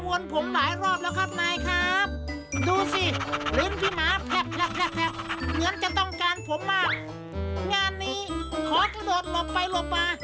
ก็พร้อมน่ะครับทำไมมาวนผมหลายรอบแล้วครับนายครับ